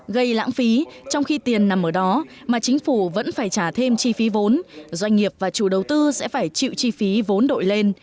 gây lãng phí trong khi tiền nằm ở đó mà chính phủ vẫn phải trả thêm chi phí vốn doanh nghiệp và chủ đầu tư sẽ phải chịu chi phí vốn đội lên